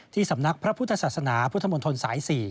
สำนักพระพุทธศาสนาพุทธมนตรสาย๔